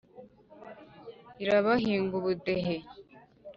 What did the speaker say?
Irabahinga ubudehe,